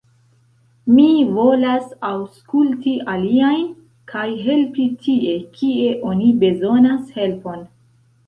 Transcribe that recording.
Mi volas aŭskulti aliajn, kaj helpi tie, kie oni bezonas helpon.